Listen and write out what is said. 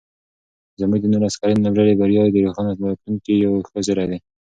زموږ د نولس کلنې لوبډلې بریاوې د روښانه راتلونکي یو ښه زېری دی.